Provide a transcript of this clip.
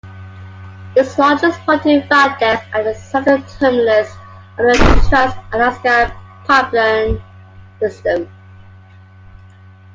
Its largest port is Valdez, at the southern terminus of the Trans-Alaska Pipeline System.